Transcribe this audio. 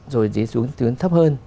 rồi dưới xuống tướng thấp hơn